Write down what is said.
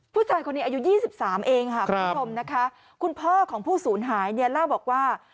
ผู้ชายคนนี้อายุ๒๓เองค่ะคุณพ่อของผู้ศูนย์หายล่าบอกว่า